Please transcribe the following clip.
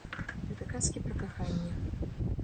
Гэта казкі пра каханне.